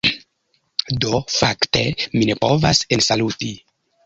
Do fakte mi ne povas ensaluti.